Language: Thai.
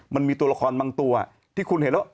มันมีตัวละครบางตัวที่คุณเห็นแล้ว